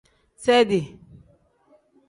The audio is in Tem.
Sedi.